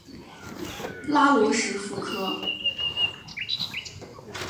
拉罗什富科。